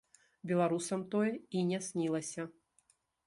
Беларусам тое і не снілася.